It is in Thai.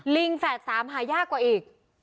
ลิงแฝดสามหายากกว่าอีก